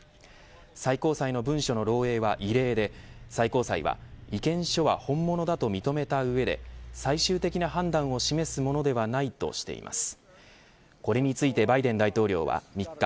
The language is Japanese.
最高裁の文書の漏えいは異例で最高裁は、意見書は本物だと認めた上で最終的な判断を示すものではないとしています。